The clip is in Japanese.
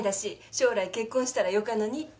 将来結婚したらよかのにって。